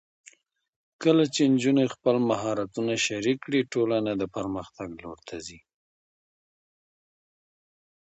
کله چې نجونې خپل مهارتونه شریک کړي، ټولنه د پرمختګ لور ته ځي.